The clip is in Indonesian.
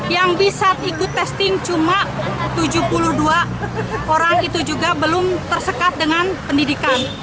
yang bisa ikut testing cuma tujuh puluh dua orang itu juga belum tersekat dengan pendidikan